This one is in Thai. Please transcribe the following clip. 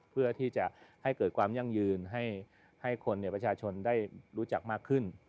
เพื่อที่จะให้เกิดความยั่งยืนให้คนประชาชนได้รู้จักมากขึ้น